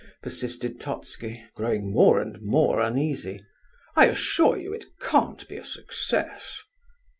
persisted Totski, growing more and more uneasy. "I assure you it can't be a success."